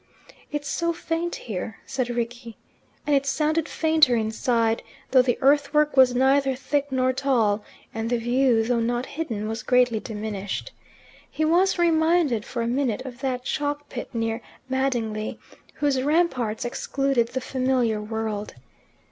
"It's so faint here," said Rickie. And it sounded fainter inside, though the earthwork was neither thick nor tall; and the view, though not hidden, was greatly diminished. He was reminded for a minute of that chalk pit near Madingley, whose ramparts excluded the familiar world.